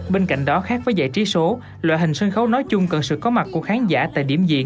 bên cạnh đó khác với giải trí số loại hình sân khấu nói chung cần sự có mặt của khán giả tại điểm diện